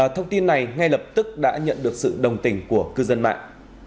thông tin này ngay lập tức đã nhận được sự đồng tình của cư dân mạng